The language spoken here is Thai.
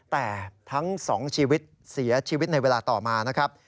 แต่ทั้งสองชีวิตเสียชีวิตในเวลาต่อมา